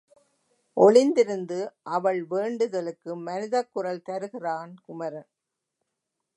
ஒளிந்திருந்து, அவள் வேண்டுதலுக்கு மனிதக் குரல் தருகிறான் குமரன்.